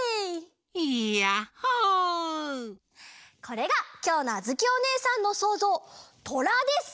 これがきょうのあづきおねえさんのそうぞうトラです！